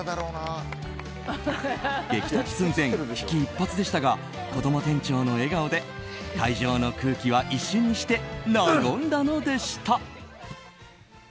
激突寸前、危機一髪でしたがこども店長の笑顔で会場の空気は一瞬にして和んだのでした。